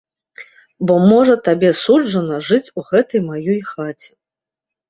Бо можа табе суджана жыць у гэтай маёй хаце.